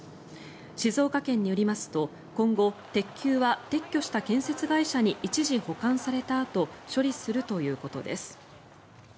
静岡県によりますと今後鉄球は撤去した建設会社に一時保管されたあと処理するということです。